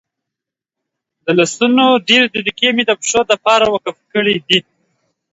دلسونه ډیري دقیقی مي دپښتو دپاره وقف کړي دي